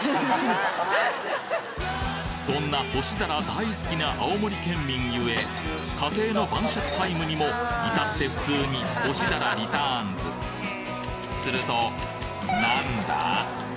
そんな干し鱈大好きな青森県民ゆえ家庭の晩酌タイムにもいたって普通に干し鱈リターンズするとなんだ？